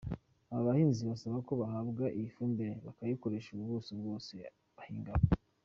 Aba bahinzi basaba ko bahabwa iyi fumbire bakayikoresha ku buso bwose bahingaho.